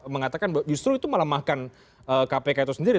mengatakan justru itu melemahkan kpk itu sendiri